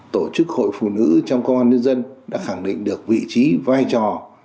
tổ chức hội phụ nữ trong công an nhân dân đã khẳng định được vị trí vai trò